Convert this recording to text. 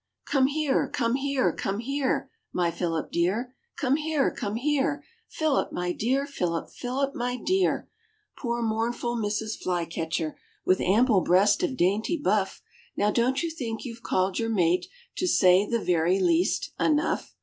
"Come here! come here! come here! My Philip dear, come here! come here! Philip, my dear! Philip, Philip, my dear!" Poor mournful Mrs. Flycatcher, With ample breast of dainty buff, Now don't you think you've called your mate,— To say the very least—enough?